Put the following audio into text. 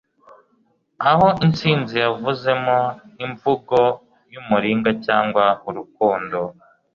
aho intsinzi yavuzemo imvugo yumuringa, cyangwa urukundo